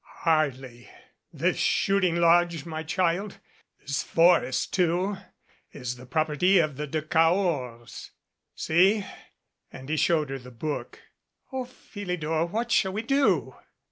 "Hardly this shooting lodge, my child, this forest, too, is the property of the De Cahors. See " and he showed her the book. "OPhilidor! What shall we do?"